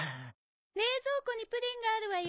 冷蔵庫にプリンがあるわよ。